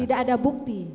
tidak ada bukti